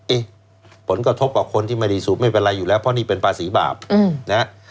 ผลกระทบกับคนที่ไม่ดีสูบไม่เป็นไรอยู่แล้วเพราะนี่เป็นภาษีบาปนะฮะ